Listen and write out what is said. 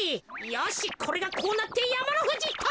よしこれがこうなってやまのふじっと！